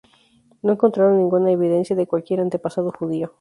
No encontraron ninguna evidencia de cualquier antepasado judío.